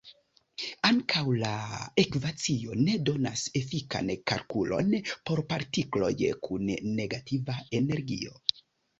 Ankaŭ la ekvacio ne donas efikan kalkulon por partikloj kun negativa energio.